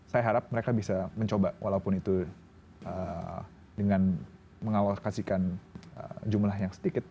saya harap mereka bisa mencoba walaupun itu dengan mengalokasikan jumlah yang sedikit